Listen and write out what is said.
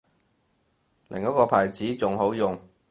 另一個牌子仲好用